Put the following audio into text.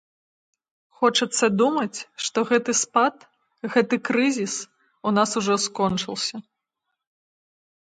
Хочацца думаць, што гэты спад, гэты крызіс у нас ужо скончыўся.